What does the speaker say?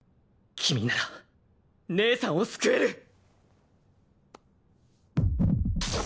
「君なら姉さんを救える」